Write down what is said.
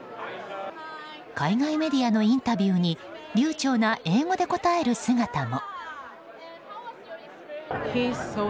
海外メディアのインタビューに流暢な英語で答える姿も。